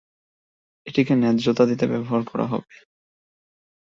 এটিকে ন্যায্যতা দিতে ব্যবহার করা হবে।